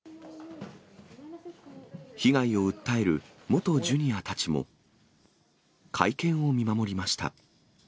被害を訴える元Ｊｒ．たちも、会見を見守りました。